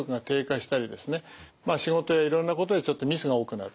仕事やいろんなことでちょっとミスが多くなる。